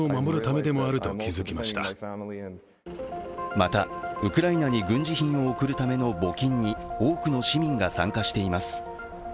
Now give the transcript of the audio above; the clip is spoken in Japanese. また、ウクライナに軍事品を送るための募金に多くの市民が参加しています。